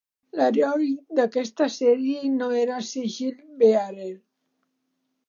L"heroi d"aquesta sèrie no era Sigil-Bearer.